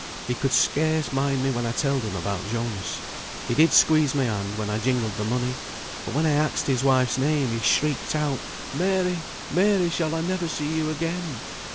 He could scarce mind me when I telled him about Jonas; he did squeeze my hand when I jingled the money, but when I axed his wife's name he shrieked out, 'Mary, Mary, shall I never see you again?